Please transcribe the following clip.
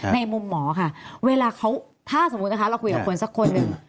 ในมุมหมอค่ะเวลาเขาถ้าสมมุตินะคะเราคุยกับคนสักคนหนึ่ง